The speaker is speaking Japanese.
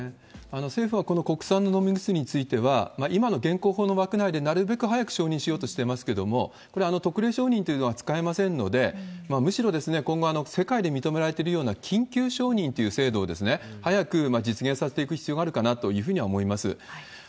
政府はこの国産の飲み薬については、今の現行法の枠内でなるべく早く承認しようとしてますけれども、これ、特例承認というのは使えませんので、むしろ今後、世界で認められてるような緊急承認という制度を早く実現させていく必要があるかなというふうには思います。